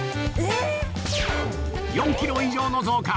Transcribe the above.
４キロ以上の増加。